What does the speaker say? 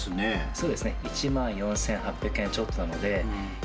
そうですね、１万４８００円ちょっとなので。